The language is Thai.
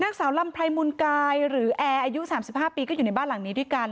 นางสาวลำไพรมูลกายหรือแอร์อายุ๓๕ปีก็อยู่ในบ้านหลังนี้ด้วยกัน